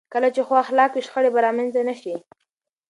کله چې ښو اخلاق وي، شخړې به رامنځته نه شي.